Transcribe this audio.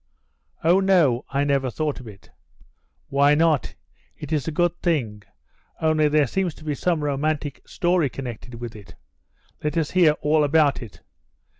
"Oh, no. I never thought of it." "Why not? It is a good thing, only there seems to be some romantic story connected with it. Let us hear all about it."